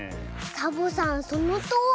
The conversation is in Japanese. サボさんそのとおり！